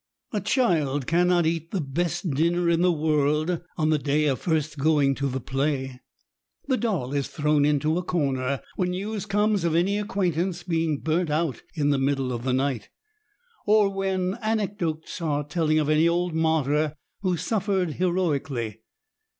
A child cannot eat the best dinner in the world on the day of first going to the play. The doll is thrown into a comer, when news comes of any acquaintance being burnt out in the middle of the night ; or when anecdotes are telling of any old martyr who suffered heroically.